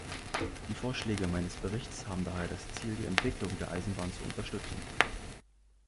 Die Vorschläge meines Berichts haben daher das Ziel, die Entwicklung der Eisenbahn zu unterstützen.